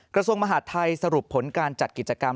กระทรวงมหาดไทยสรุปผลการจัดกิจกรรม